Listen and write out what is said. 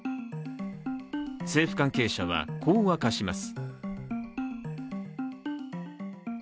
政府関係者は、こう明かします。